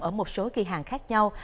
ở một số kỳ hàng khác nhau